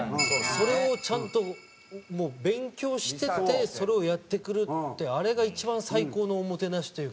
それをちゃんともう勉強していってそれをやってくるってあれが一番最高のおもてなしというか。